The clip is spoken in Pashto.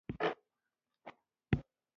غول د کولمو باکتریاوو له کاره جوړېږي.